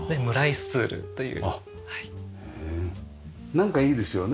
なんかいいですよね